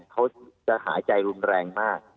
เขาจะหายใจรุนแรงมาก